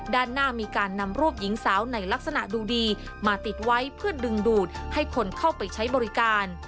ด้านหน้ามีการนำรูปหญิงสาวในลักษณะดูดีมาติดไว้เพื่อดึงดูดให้คนเข้าไปใช้บริการ